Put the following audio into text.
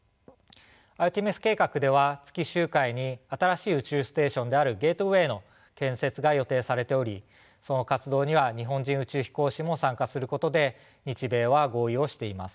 アルテミス計画では月周回に新しい宇宙ステーションであるゲートウェイの建設が予定されておりその活動には日本人宇宙飛行士も参加することで日米は合意をしています。